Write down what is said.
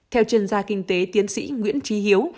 theo chuyên gia kinh tế tiến sĩ nguyễn trí hiếu